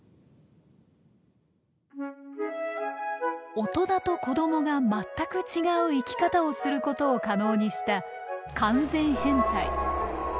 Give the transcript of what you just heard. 大人と子供が全く違う生き方をすることを可能にした完全変態。